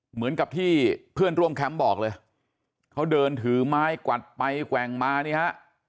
เหมือนกับที่เพื่อนร่วมแคมป์บอกเลยเขาเดินถือไม้กวัดไปแกว่งมานี่ฮะ